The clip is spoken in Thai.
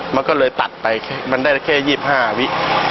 มันก็เลยตัดไปมันได้แค่๒๕วิ